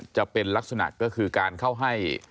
จะเป็นลักษณะก็คือการเข้าให้